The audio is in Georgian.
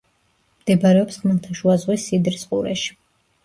მდებარეობს ხმელთაშუა ზღვის სიდრის ყურეში.